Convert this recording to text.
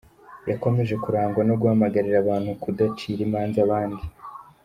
Yakomeje kurangwa no guhamagarira abantu kudacira imanza abandi.